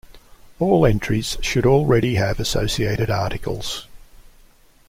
All entries should already have associated articles.